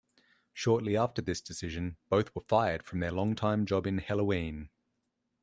Shortly after this decision, both were fired from their long-time job in Helloween.